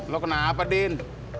lo kenapa din